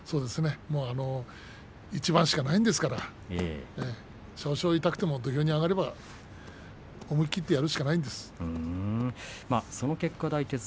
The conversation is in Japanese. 一番しかないんですから少々痛くても土俵に上がれば思い切ってやるしかないんです。